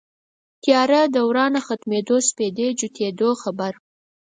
تیاره دوران ختمېدو سپېدې جوتېدو خبر